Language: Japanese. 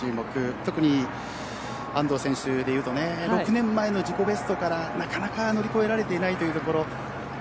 特に安藤選手でいうと６年前の自己ベストからなかなか乗り越えられていないというところ。